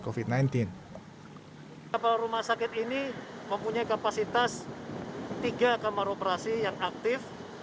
kepala rumah sakit ini mempunyai kapasitas tiga kamar operasi yang aktif